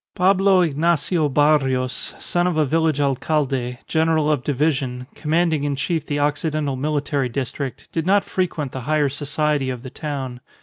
Pablo Ignacio Barrios, son of a village alcalde, general of division, commanding in chief the Occidental Military district, did not frequent the higher society of the town.